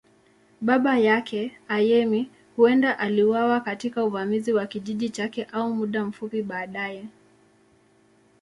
Baba yake, Ayemi, huenda aliuawa katika uvamizi wa kijiji chake au muda mfupi baadaye.